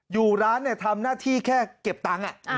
อยู่ร้านทำหน้าที่แค่เก็บตังค์